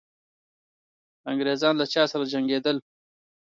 انګریزان له چا سره جنګېدل؟